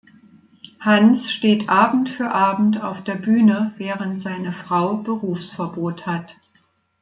Hans steht Abend für Abend auf der Bühne, während seine Frau Berufsverbot hat.